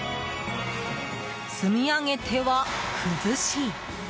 積み上げては崩し。